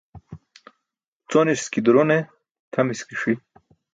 Coniski duro ne tʰamiski ṣi.